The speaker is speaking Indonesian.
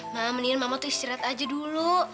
ma mendingan mama istirahat aja dulu